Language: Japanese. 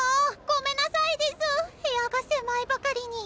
ごめんなさいデス部屋が狭いばかりに。